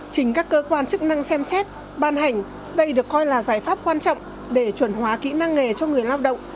trình các cơ quan chức năng xem xét ban hành đây được coi là giải pháp quan trọng để chuẩn hóa kỹ năng nghề cho người lao động